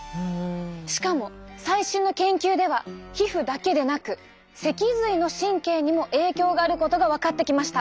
しかも最新の研究では皮膚だけでなく脊髄の神経にも影響があることが分かってきました。